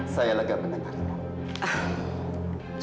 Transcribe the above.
saya agak menantang ibu